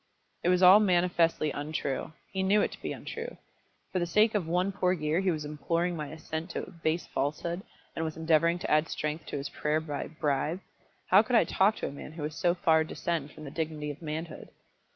It was all manifestly untrue. He knew it to be untrue. For the sake of one poor year he was imploring my assent to a base falsehood, and was endeavouring to add strength to his prayer by a bribe. How could I talk to a man who would so far descend from the dignity of manhood?